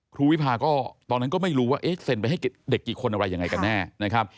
วิพาก็ตอนนั้นก็ไม่รู้ว่าเอ๊ะเซ็นไปให้เด็กกี่คนอะไรยังไงกันแน่นะครับ